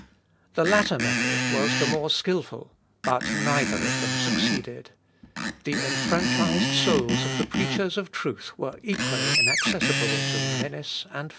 The latter method was the more skilful, but neither of them succeeded. The enfranchised souls of the preachers of truth were equally inaccessible to menace and favour.